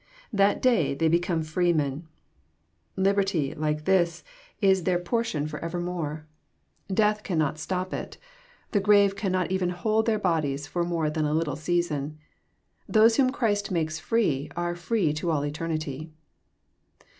That day they become free men. Liberty, like this, is their portion n 104 EXPOsrroBT thoughts. for evermore. Death cannot stop it. The grave cannot even hold their bodies for more than a little season. Those whom Christ makes free are free to all eternity.